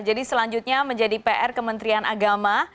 jadi selanjutnya menjadi pr kementerian agama